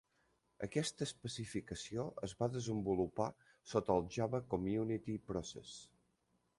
Aquesta especificació es va desenvolupar sota el Java Community Process.